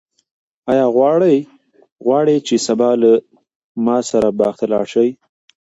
آیا ته غواړې چې سبا له ما سره باغ ته لاړ شې؟